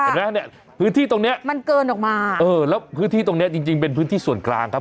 เห็นไหมเนี่ยพื้นที่ตรงเนี้ยมันเกินออกมาเออแล้วพื้นที่ตรงเนี้ยจริงจริงเป็นพื้นที่ส่วนกลางครับ